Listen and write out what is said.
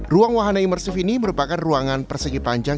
ruang wahana imersif ini merupakan ruangan persegi panjang